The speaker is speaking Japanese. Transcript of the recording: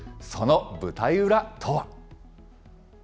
その舞台裏とは。